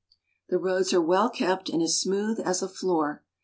The roads are well kept and as smooth as a floor.